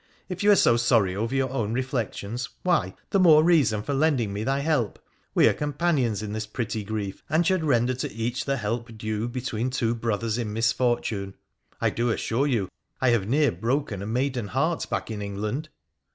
If you are so sorry over your own reflections, why, the more reason for lending me thy help. We are companions in this pretty grief, and should render to each the help due between true brothers in misfortune. I do assure you I have near broken a maiden heart back in England.'